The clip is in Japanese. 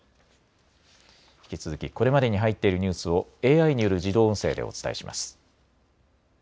引き続きこれまでに入っているニュースをＡＩによる自動音声でお伝えします。